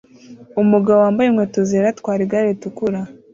Umugabo wambaye inkweto zera atwara igare ritukura